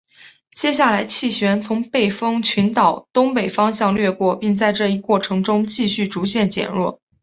接下来气旋从背风群岛东北方向掠过并在这一过程中继续逐渐减弱。